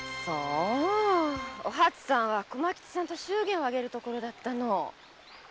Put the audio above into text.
お初さんは駒吉さんと祝言を挙げるところだったの？